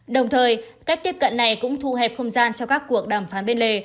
đồng thời cách tiếp cận này cũng thu hẹp không gian cho các cuộc đàm phán bên lề